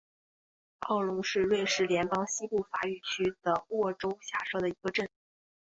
奥龙是瑞士联邦西部法语区的沃州下设的一个镇。